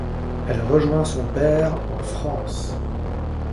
Elle rejoint son père en France.